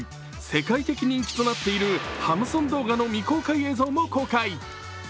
世界的人気となっているハムソン動画の未公開映像も公開。